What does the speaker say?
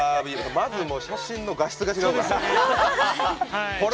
まず、写真の画質が違うから。